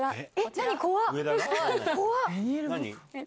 何？